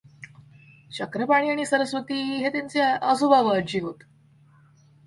चक्रपाणी आणि सरस्वती हे त्यांचे आजोबा व आजी होत.